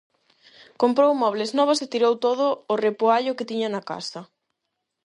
Comprou mobles novos e tirou todo o repoallo que tiña na casa.